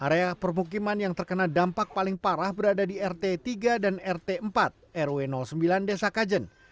area permukiman yang terkena dampak paling parah berada di rt tiga dan rt empat rw sembilan desa kajen